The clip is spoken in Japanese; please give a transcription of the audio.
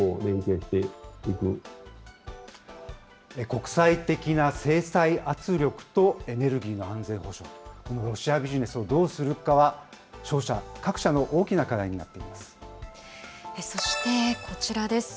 国際的な制裁圧力とエネルギーの安全保障、今後、ロシアビジネスをどうするかは、商社各社の大きな課題になっていそしてこちらです。